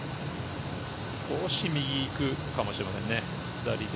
少し右に行くかもしれません、下りで。